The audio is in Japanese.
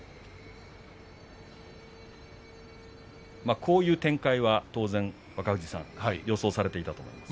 こういう展開は当然若藤さん予想されていたと思いますが。